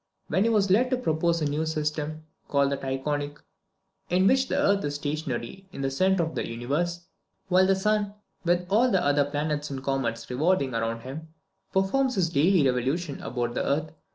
Hence he was led to propose a new system, called the Tychonic, in which the earth is stationary in the centre of the universe, while the sun, with all the other planets and comets revolving round him, performs his daily revolution about the earth.